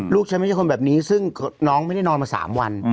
ฉันไม่ใช่คนแบบนี้ซึ่งน้องไม่ได้นอนมา๓วัน